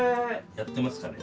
やってますかね？